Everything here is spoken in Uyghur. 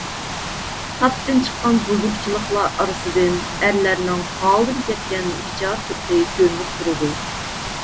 تاپتىن چىققان بۇزۇقچىلىقلار ئارىسىدىن ئەرلەرنىڭ ھالىدىن كەتكەن بىچارە تۇرقى كۆرۈنۈپ تۇرىدۇ.